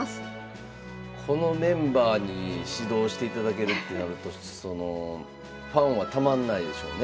このメンバーに指導していただけるってなるとファンはたまんないでしょうね。